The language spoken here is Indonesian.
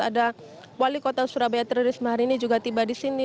ada wali kota surabaya tririsma hari ini juga tiba di sini